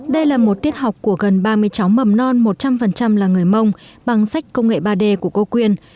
đây là một tiết học của gần ba mươi cháu mầm non một trăm linh là người mông bằng sách công nghệ ba d của cô quyên